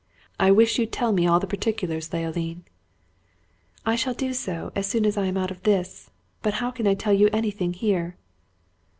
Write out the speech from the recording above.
I wish you'd tell me all the particulars, Leoline." "I shall do so as soon as I am out of this; but how can I tell you anything here?"